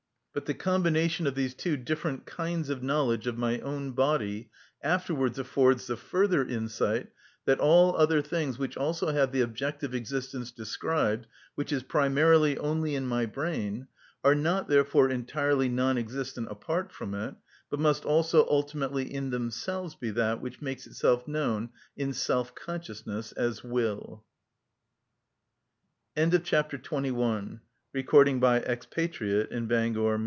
But the combination of these two different kinds of knowledge of my own body afterwards affords the further insight that all other things which also have the objective existence described, which is primarily only in my brain, are not therefore entirely non‐ existent apart from it, but must also ultimately in themselves be that which makes itself known in self‐consciousness as will. Chapter XXII.(1) Objective View of the Intellect.